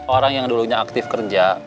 orang yang dulunya aktif kerja